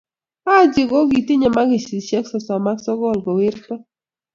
Haji ko kitinyi makishe sosom a sokol ko werto.